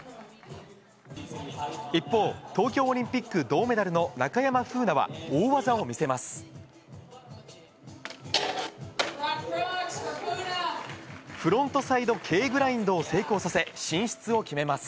一方、東京オリンピック銅メダルの中山楓奈は、大技を見せます。